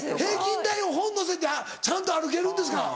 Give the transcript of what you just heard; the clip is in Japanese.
平均台を本のせてちゃんと歩けるんですか？